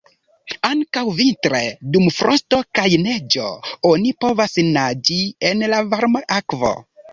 Ankaŭ vintre dum frosto kaj neĝo oni povas naĝi en la varma akvo.